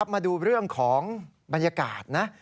มาดูเรื่องของบรรยากาศนะ